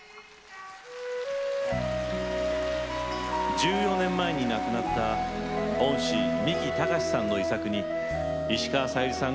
１４年前に亡くなった恩師、三木たかしさんの遺作に石川さゆりさん